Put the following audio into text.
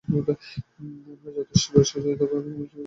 আমার যথেষ্ট বয়স হইয়াছে, এখন আর মিষ্ট মধু হওয়া চলে না।